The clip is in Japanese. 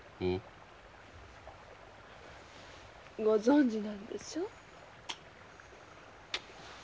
ご存じなんでしょ？